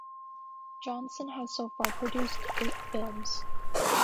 Johnson has so far produced eight films.